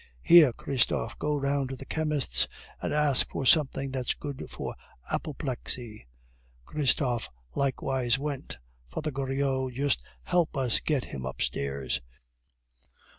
"Here, Christophe, go round to the chemist's and ask for something that's good for the apoplexy." Christophe likewise went. "Father Goriot, just help us to get him upstairs."